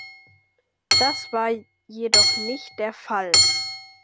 Das war jedoch nicht der Fall!